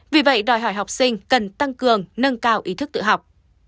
vì vậy đòi hỏi học sinh cần tăng cường nâng cao ý thức tự học